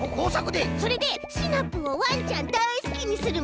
それでシナプーをわんちゃんだいすきにするもんね。